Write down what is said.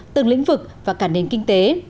từng lĩnh vực và cả nền kinh tế